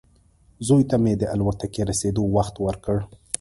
زوی ته مې د الوتکې رسېدو وخت ورکړ.